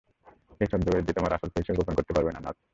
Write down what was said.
এই ছদ্মবেশ দিয়ে তোমার আসল পরিচয় গোপন করতে পারবে না, নর্থম্যান।